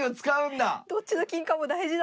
どっちの金かも大事だ。